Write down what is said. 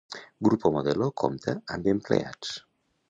Grupo Modelo compta amb empleats.